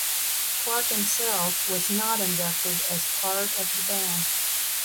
Clarke himself was not inducted as part of the band.